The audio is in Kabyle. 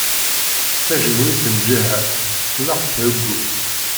Tajenwitt n ǧeḥḥa tneqq tḥeggu.